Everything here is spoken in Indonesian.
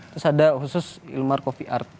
terus ada khusus ilmar coffee art